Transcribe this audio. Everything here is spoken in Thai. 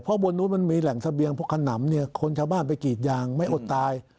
เพราะบนนู้นมันมีแหล่งเสบียงเพราะขนำเนี่ยคนชาวบ้านไปกรีดยางไม่อดตาย